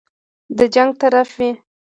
د جنګ طرف وي.